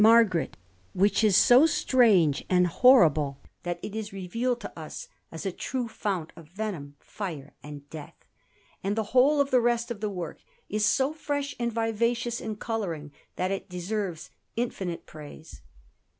Margaret, which is so strange and horrible, that it is revealed to us as a true fount of venom, fire, and death; and the whole of the rest of the work is so fresh and vivacious in colouring, that it deserves infinite praise.